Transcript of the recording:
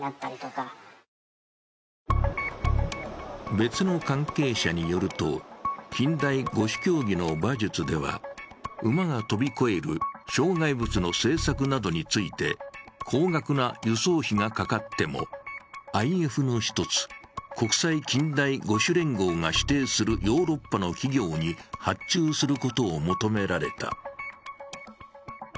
別の関係者によると近代五種競技の馬術では馬が跳び越える障害物の制作などについて高額な輸送費がかかってもＩＦの１つ国際近代五種連合が指定するヨーロッパの企業に発注することを求められた。